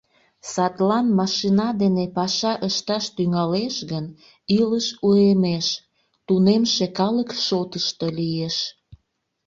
Садлан машина дене паша ышташ тӱҥалеш гын, илыш уэмеш, тунемше калык шотышто лиеш.